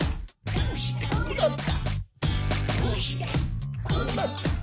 どうしてこうなった？」